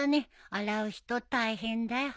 洗う人大変だよ。